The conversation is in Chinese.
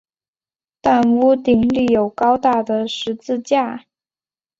但屋顶立有高大的十字架。